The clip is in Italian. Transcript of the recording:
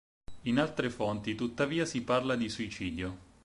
In altre fonti tuttavia si parla di suicidio.